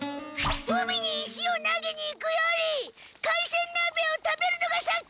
海に石を投げに行くより海鮮鍋を食べるのが先！